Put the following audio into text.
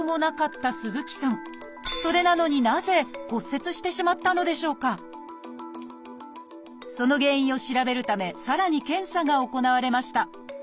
それなのにその原因を調べるためさらに検査が行われました。